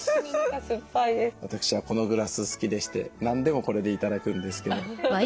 私はこのグラス好きでして何でもこれで頂くんですけど。